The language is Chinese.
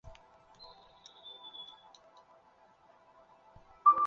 直萼虎耳草为虎耳草科虎耳草属下的一个种。